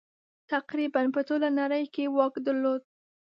تقریباً پر ټوله نړۍ یې واک درلود.